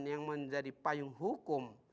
yang menjadi payung hukum